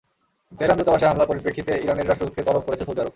তেহরানে দূতাবাসে হামলার পরিপ্রেক্ষিতে ইরানের রাষ্ট্রদূতকে তলব করেছে সৌদি আরব।